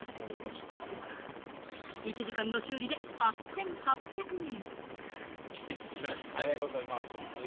１時間の修理で８８００円。